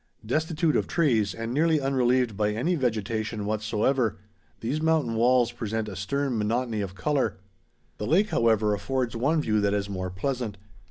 Destitute of trees and nearly unrelieved by any vegetation whatsoever, these mountain walls present a stern monotony of color. The lake, however, affords one view that is more pleasant.